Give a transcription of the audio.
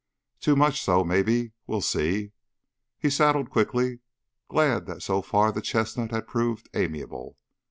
"Too much so, maybe. We'll see." He saddled quickly, glad that so far the chestnut had proved amiable.